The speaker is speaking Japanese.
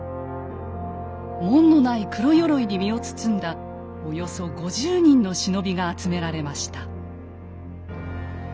紋のない黒よろいに身を包んだおよそ５０人の忍びが集められました。